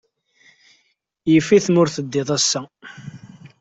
Yif-it ma ur teddiḍ ass-a.